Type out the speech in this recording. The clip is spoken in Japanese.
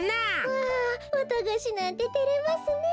わあわたがしなんててれますねえ。